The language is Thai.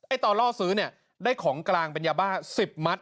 ตอนล่อซื้อเนี่ยได้ของกลางเป็นยาบ้า๑๐มัต